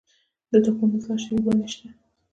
د تخمونو اصلاح شوې بڼې شته؟